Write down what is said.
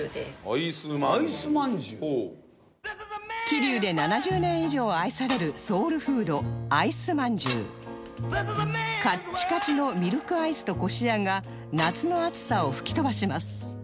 桐生で７０年以上愛されるソウルフードカッチカチのミルクアイスとこしあんが夏の暑さを吹き飛ばします